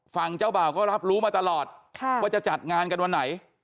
ฝั่งเจ้าบ่าวก็รับรู้มาตลอดว่าจะจัดงานกันวันไหน